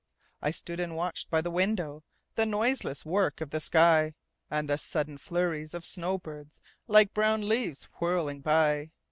I stood and watched by the windowThe noiseless work of the sky, And the sudden flurries of snow birds, Like brown leaves whirling by.